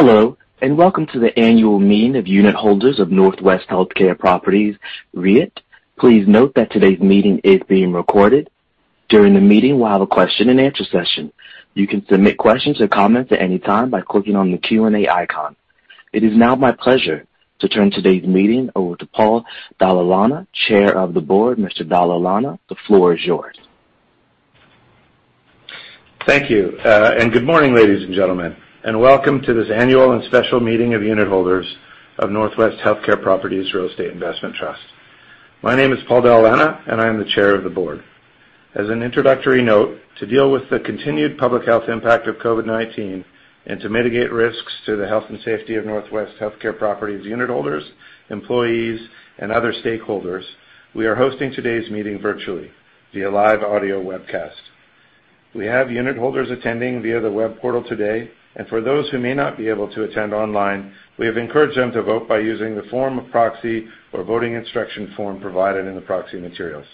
Hello, and welcome to the annual meeting of unit holders of Northwest Healthcare Properties REIT. Please note that today's meeting is being recorded. During the meeting, we'll have a question-and-answer session. You can submit questions or comments at any time by clicking on the Q&A icon. It is now my pleasure to turn today's meeting over to Paul Dalla Lana, Chair of the Board. Mr. Dalla Lana, the floor is yours. Thank you. Good morning, ladies and gentlemen, and welcome to this annual and special meeting of unit holders of Northwest Healthcare Properties Real Estate Investment Trust. My name is Paul Dalla Lana, and I am the Chair of the Board. As an introductory note, to deal with the continued public health impact of COVID-19 and to mitigate risks to the health and safety of Northwest Healthcare Properties unit holders, employees, and other stakeholders, we are hosting today's meeting virtually via live audio webcast. We have unit holders attending via the web portal today, and for those who may not be able to attend online, we have encouraged them to vote by using the form of proxy or voting instruction form provided in the proxy materials.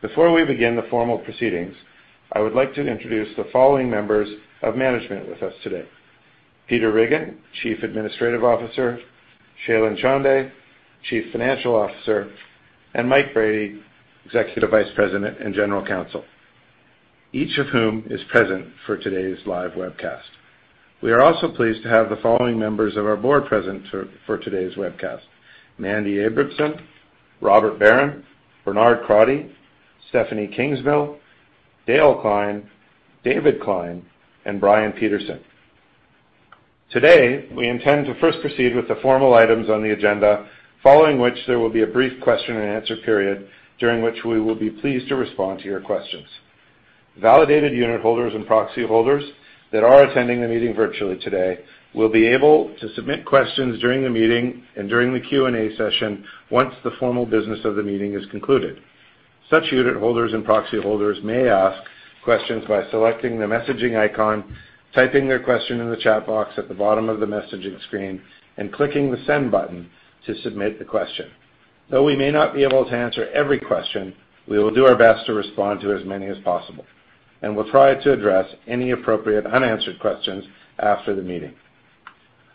Before we begin the formal proceedings, I would like to introduce the following members of management with us today. Peter Riggin, Chief Administrative Officer, Shailen Chande, Chief Financial Officer, and Mike Brady, Executive Vice President and General Counsel, each of whom is present for today's live webcast. We are also pleased to have the following members of our board present for today's webcast, Mandy Abramsohn, Robert Baron, Bernard Crotty, Stephani Kingsmill, Dale Klein, David Klein, and Brian Petersen. Today, we intend to first proceed with the formal items on the agenda, following which there will be a brief question and answer period, during which we will be pleased to respond to your questions. Validated unit holders and proxy holders that are attending the meeting virtually today will be able to submit questions during the meeting and during the Q&A session once the formal business of the meeting is concluded. Such unit holders and proxy holders may ask questions by selecting the messaging icon, typing their question in the chat box at the bottom of the messaging screen, and clicking the Send button to submit the question. Though we may not be able to answer every question, we will do our best to respond to as many as possible, and we'll try to address any appropriate unanswered questions after the meeting.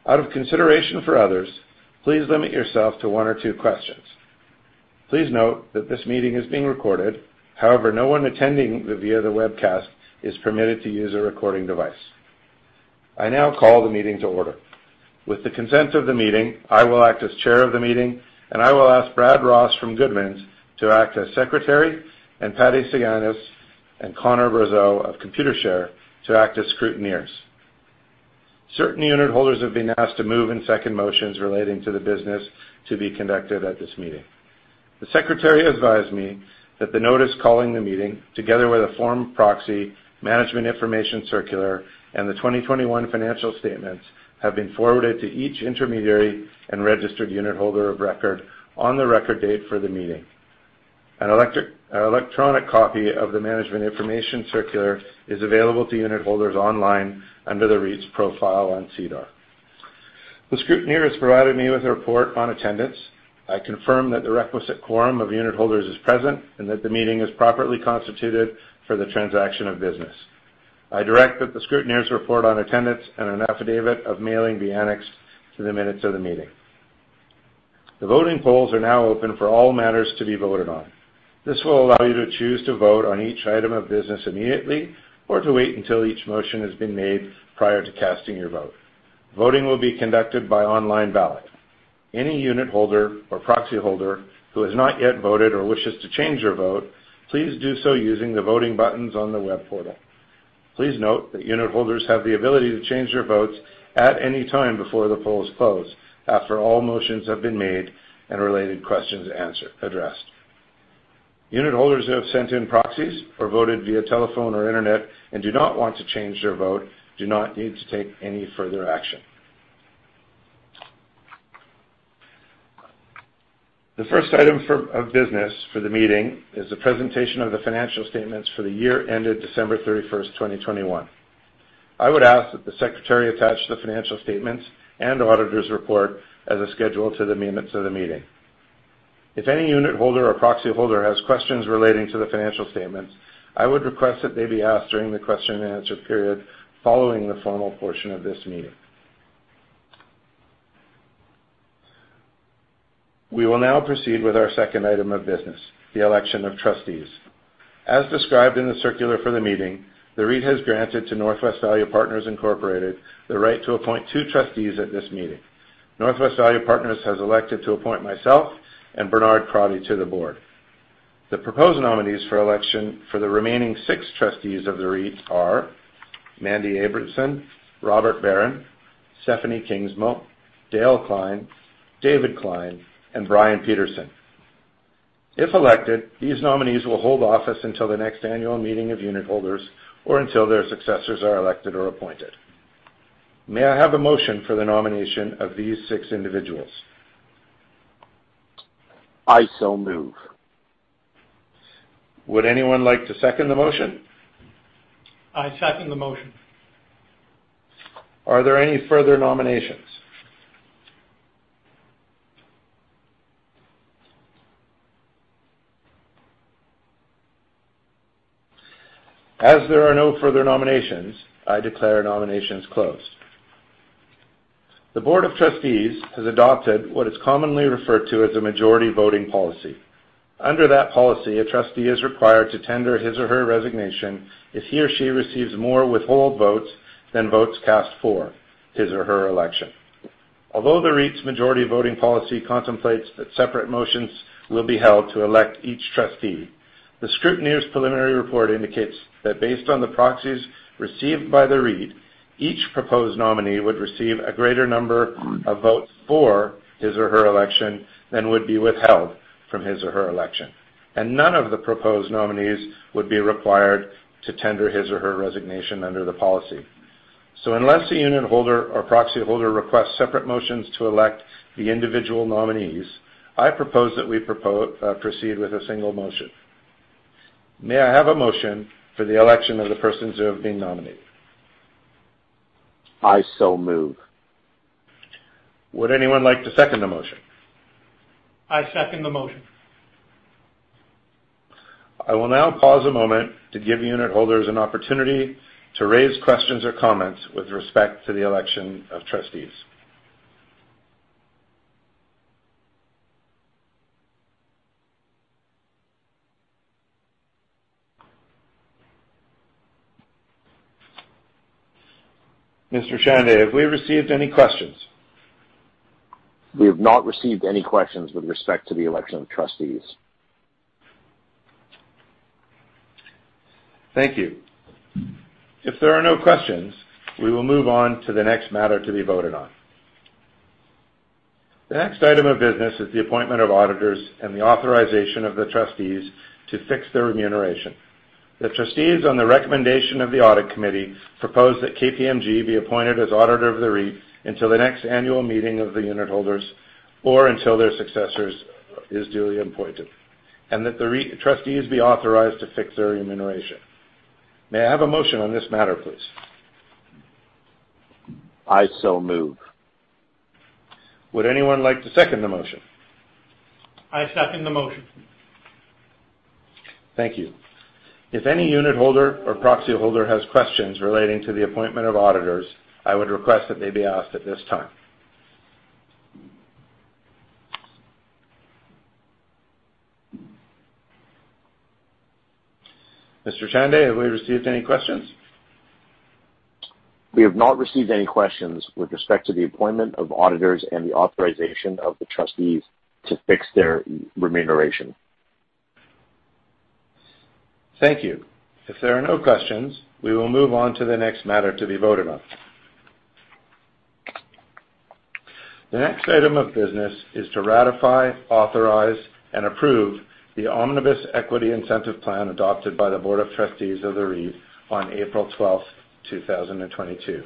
Out of consideration for others, please limit yourself to one or two questions. Please note that this meeting is being recorded. However, no one attending via the webcast is permitted to use a recording device. I now call the meeting to order. With the consent of the meeting, I will act as chair of the meeting, and I will ask Brad Ross from Goodmans to act as secretary and Patty Saganas and Connor Brazeau of Computershare to act as scrutineers. Certain unit holders have been asked to move and second motions relating to the business to be conducted at this meeting. The secretary advised me that the notice calling the meeting, together with a form proxy, management information circular, and the 2021 financial statements have been forwarded to each intermediary and registered unit holder of record on the record date for the meeting. An electronic copy of the management information circular is available to unit holders online under the REIT's profile on SEDAR. The scrutineer has provided me with a report on attendance. I confirm that the requisite quorum of unit holders is present and that the meeting is properly constituted for the transaction of business. I direct that the scrutineers report on attendance and an affidavit of mailing be annexed to the minutes of the meeting. The voting polls are now open for all matters to be voted on. This will allow you to choose to vote on each item of business immediately or to wait until each motion has been made prior to casting your vote. Voting will be conducted by online ballot. Any unit holder or proxy holder who has not yet voted or wishes to change their vote, please do so using the voting buttons on the web portal. Please note that unit holders have the ability to change their votes at any time before the polls close, after all motions have been made and related questions addressed. Unit holders who have sent in proxies or voted via telephone or internet and do not want to change their vote do not need to take any further action. The first item of business for the meeting is a presentation of the financial statements for the year ended December 31st, 2021. I would ask that the secretary attach the financial statements and auditor's report as a schedule to the minutes of the meeting. If any unit holder or proxy holder has questions relating to the financial statements, I would request that they be asked during the question and answer period following the formal portion of this meeting. We will now proceed with our second item of business, the election of trustees. As described in the circular for the meeting, the REIT has granted to Northwest Value Partners Incorporated the right to appoint two trustees at this meeting. Northwest Value Partners has elected to appoint myself and Bernard Crotty to the board. The proposed nominees for election for the remaining six trustees of the REIT are Mandy Abramsohn, Robert Baron, Stephani Kingsmill, Dale Klein, David Klein, and Brian Petersen. If elected, these nominees will hold office until the next annual meeting of unit holders or until their successors are elected or appointed. May I have a motion for the nomination of these six individuals? I so move. Would anyone like to second the motion? I second the motion. Are there any further nominations? As there are no further nominations, I declare nominations closed. The board of trustees has adopted what is commonly referred to as a majority voting policy. Under that policy, a trustee is required to tender his or her resignation if he or she receives more withhold votes than votes cast for his or her election. Although the REIT's majority voting policy contemplates that separate motions will be held to elect each trustee, the scrutineer's preliminary report indicates that based on the proxies received by the REIT, each proposed nominee would receive a greater number of votes for his or her election than would be withheld from his or her election. None of the proposed nominees would be required to tender his or her resignation under the policy. Unless the unitholder or proxy holder requests separate motions to elect the individual nominees, I propose that we proceed with a single motion. May I have a motion for the election of the persons who have been nominated? I so move. Would anyone like to second the motion? I second the motion. I will now pause a moment to give unitholders an opportunity to raise questions or comments with respect to the election of trustees. Mr. Chande, have we received any questions? We have not received any questions with respect to the election of trustees. Thank you. If there are no questions, we will move on to the next matter to be voted on. The next item of business is the appointment of auditors and the authorization of the trustees to fix their remuneration. The trustees, on the recommendation of the audit committee, propose that KPMG be appointed as auditor of the REIT until the next annual meeting of the unitholders or until their successors is duly appointed, and that the REIT trustees be authorized to fix their remuneration. May I have a motion on this matter, please? I so move. Would anyone like to second the motion? I second the motion. Thank you. If any unitholder or proxy holder has questions relating to the appointment of auditors, I would request that they be asked at this time. Mr. Chande, have we received any questions? We have not received any questions with respect to the appointment of auditors and the authorization of the trustees to fix their remuneration. Thank you. If there are no questions, we will move on to the next matter to be voted on. The next item of business is to ratify, authorize, and approve the Omnibus Equity Incentive Plan adopted by the Board of Trustees of the REIT on April 12, 2022,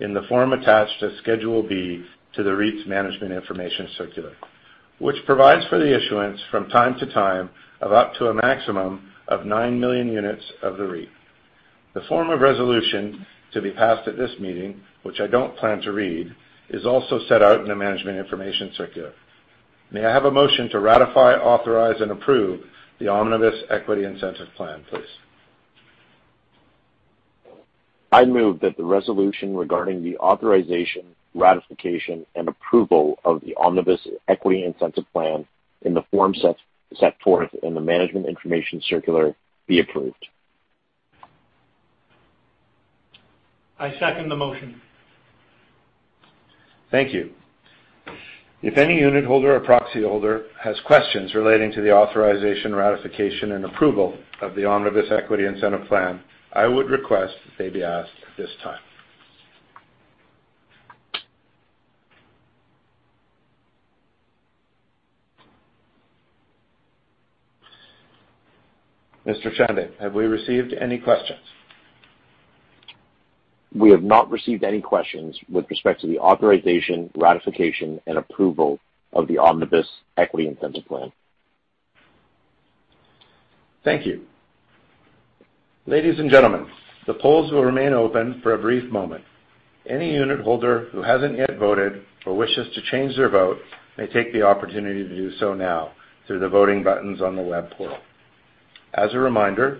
in the form attached to Schedule B to the REIT's Management Information Circular, which provides for the issuance from time to time of up to a maximum of 9 million units of the REIT. The form of resolution to be passed at this meeting, which I don't plan to read, is also set out in the Management Information Circular. May I have a motion to ratify, authorize, and approve the Omnibus Equity Incentive Plan, please? I move that the resolution regarding the authorization, ratification, and approval of the Omnibus Equity Incentive Plan in the form set forth in the Management Information Circular be approved. I second the motion. Thank you. If any unitholder or proxy holder has questions relating to the authorization, ratification, and approval of the Omnibus Equity Incentive Plan, I would request they be asked at this time. Mr. Chande, have we received any questions? We have not received any questions with respect to the authorization, ratification, and approval of the Omnibus Equity Incentive Plan. Thank you. Ladies and gentlemen, the polls will remain open for a brief moment. Any unitholder who hasn't yet voted or wishes to change their vote may take the opportunity to do so now through the voting buttons on the web portal. As a reminder,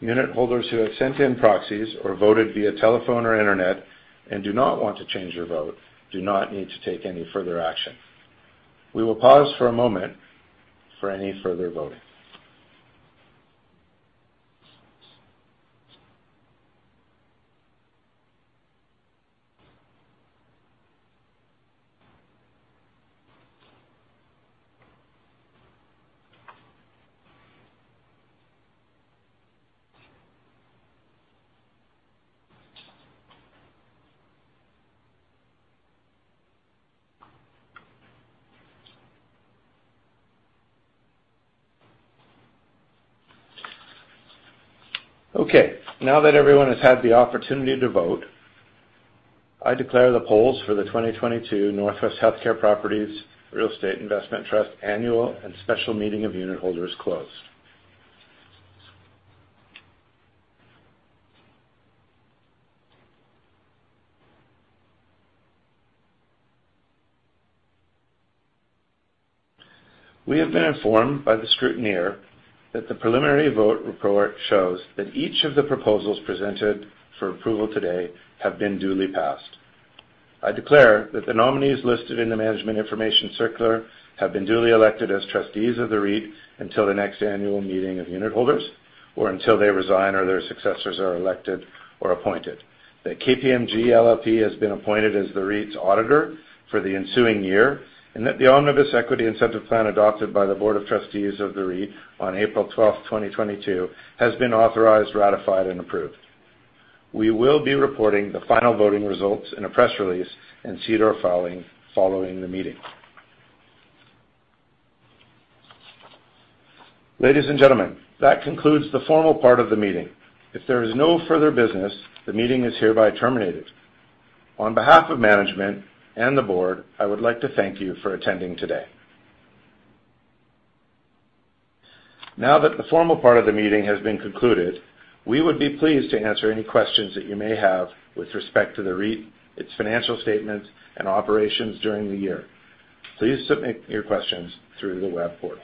unitholders who have sent in proxies or voted via telephone or internet and do not want to change their vote do not need to take any further action. We will pause for a moment for any further voting. Okay. Now that everyone has had the opportunity to vote, I declare the polls for the 2022 Northwest Healthcare Properties Real Estate Investment Trust Annual and Special Meeting of Unitholders closed. We have been informed by the scrutineer that the preliminary vote report shows that each of the proposals presented for approval today have been duly passed. I declare that the nominees listed in the Management Information Circular have been duly elected as trustees of the REIT until the next annual meeting of unitholders, or until they resign or their successors are elected or appointed. That KPMG LLP has been appointed as the REIT's auditor for the ensuing year, and that the Omnibus Equity Incentive Plan adopted by the Board of Trustees of the REIT on April 12, 2022, has been authorized, ratified, and approved. We will be reporting the final voting results in a press release and SEDAR filing following the meeting. Ladies and gentlemen, that concludes the formal part of the meeting. If there is no further business, the meeting is hereby terminated. On behalf of management and the board, I would like to thank you for attending today. Now that the formal part of the meeting has been concluded, we would be pleased to answer any questions that you may have with respect to the REIT, its financial statements, and operations during the year. Please submit your questions through the web portal.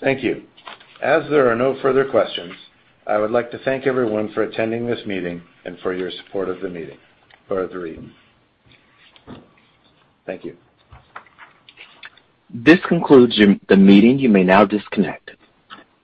Thank you. As there are no further questions, I would like to thank everyone for attending this meeting and for your support of the meeting, or of the REIT. Thank you. This concludes the meeting. You may now disconnect.